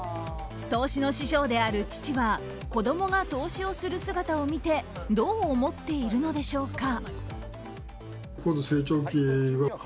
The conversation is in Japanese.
投資の師匠である父は子供が投資をする姿を見てどう思っているのでしょうか。